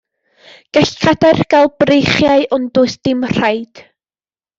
Gall cadair gael breichiau, ond does dim rhaid.